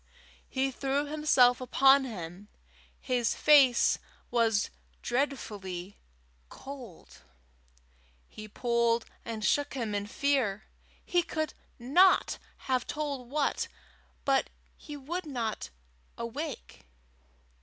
He threw himself upon him: his face was dreadfully cold. He pulled and shook him in fear he could not have told of what but he would not wake.